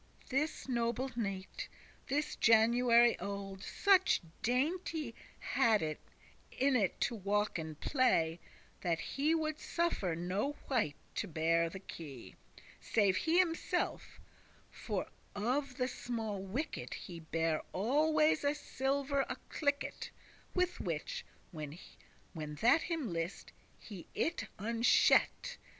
This noble knight, this January old Such dainty* had in it to walk and play, *pleasure That he would suffer no wight to bear the key, Save he himself, for of the small wicket He bare always of silver a cliket,* *key With which, when that him list, he it unshet.